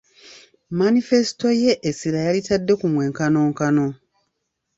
Manifesito ye essira yalitadde ku mwenkanonkano.